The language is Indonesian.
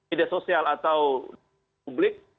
ide sosial atau publik